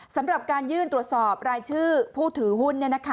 สำหรับการยื่นตรวจสอบรายชื่อผู้ถือหุ้น